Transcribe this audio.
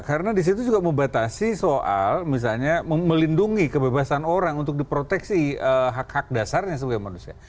karena disitu juga membatasi soal misalnya melindungi kebebasan orang untuk diproteksi hak hak dasarnya sebagai manusia